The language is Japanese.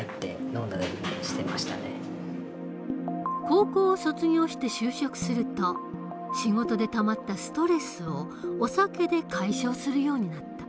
高校を卒業して就職すると仕事でたまったストレスをお酒で解消するようになった。